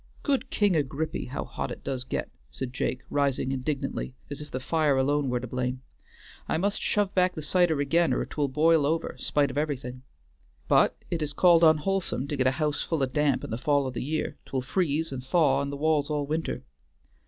"Good King Agrippy! how hot it does git," said Jake rising indignantly, as if the fire alone were to blame. "I must shove back the cider again or 't will bile over, spite of everything. But 't is called unwholesome to get a house full o' damp in the fall o' the year; 't will freeze an' thaw in the walls all winter.